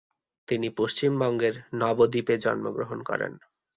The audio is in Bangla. তিনি পশ্চিমবঙ্গের নবদ্বীপে জন্মগ্রহণ করেন।